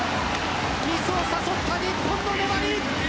ミスを誘った日本の粘り。